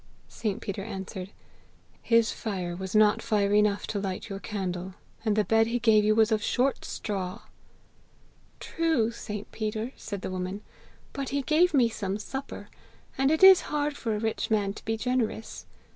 St. Peter answered, 'His fire was not fire enough to light your candle, and the bed he gave you was of short straw!' 'True, St. Peter,' said the woman, 'but he gave me some supper, and it is hard for a rich man to be generous!